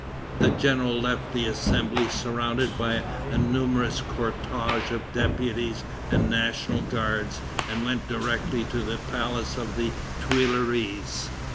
The general left the Assembly surrounded by a numerous cortège of deputies and National Guards, and went directly to the palace of the Tuileries.